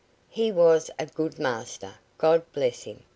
He was a good master, God bless him!